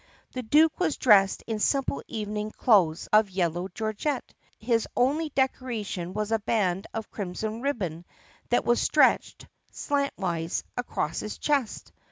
The duke was dressed in simple evening clothes of yellow georgette. His only decoration was a band of crim son ribbon that was stretched, slantwise, across his chest.